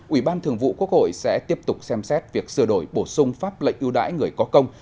ủy ban thường vụ quốc hội sẽ tiếp tục xem xét việc sửa đổi bổ sung pháp lệnh ưu đãi người có công